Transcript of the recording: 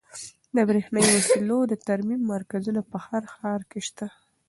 د برښنایي وسایلو د ترمیم مرکزونه په هر ښار کې شته.